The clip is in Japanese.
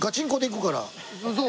そう。